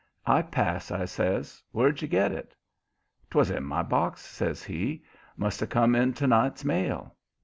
"I pass," I says. "Where'd you get it?" "'Twas in my box," says he. "Must have come in to night's mail."